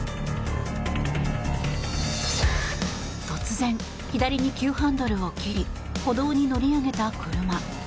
突然、左に急ハンドルを切り歩道に乗り上げた車。